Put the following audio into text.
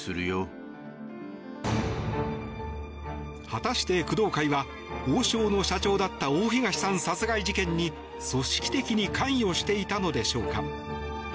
果たして、工藤会は王将の社長だった大東さん殺害事件に組織的に関与していたのでしょうか。